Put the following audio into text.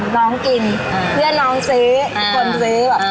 น้องกินเพื่อนน้องซื้อคนซื้อ